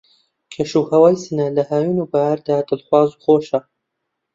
کەش و ھەوای سنە لە ھاوین و بەھار دا دڵخواز و خۆشە